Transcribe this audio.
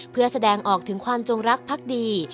เพื่อแสดงออกถึงความจงรักพักดี